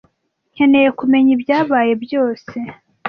Nkeneye kumenya ibyabaye byose.